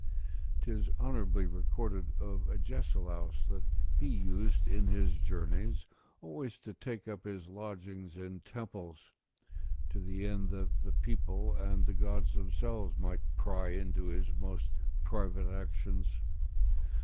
'Tis honourably recorded of Agesilaus, that he used in his journeys always to take up his lodgings in temples, to the end that the people and the gods themselves might pry into his most private actions.